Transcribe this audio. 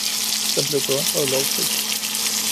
Den blev beundret og lovprist